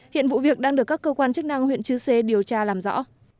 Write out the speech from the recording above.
hiện vụ việc đang được các cơ quan chức năng huyện chư sê điều tra làm rõ